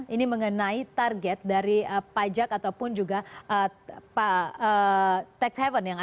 ini mengenai target dari pajak ataupun juga tax haven